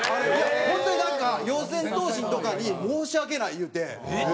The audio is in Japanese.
本当になんか四千頭身とかに申し訳ない言うて。